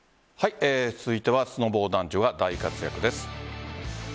続いてはスノボー男女が大活躍です。